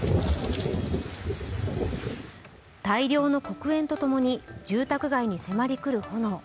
大量の黒煙と共に住宅街に迫り来る炎。